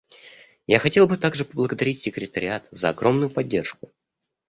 Я хотел бы также поблагодарить Секретариат за огромную поддержку.